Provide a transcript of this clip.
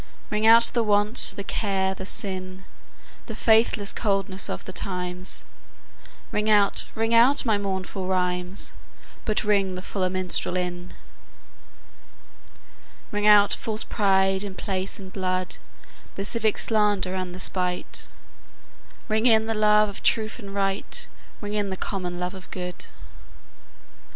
Ring out the want, the care the sin, The faithless coldness of the times; Ring out, ring out my mournful rhymes, But ring the fuller minstrel in. Ring out false pride in place and blood, The civic slander and the spite; Ring in the love of truth and right, Ring in the common love of good.